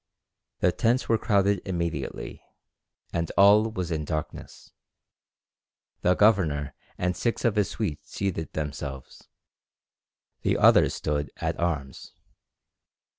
The tents were crowded immediately, and all was in darkness. The governor and six of his suite seated themselves, the others stood at arms.